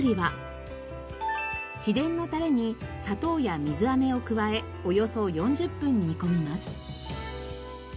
秘伝のたれに砂糖や水あめを加えおよそ４０分煮込みます。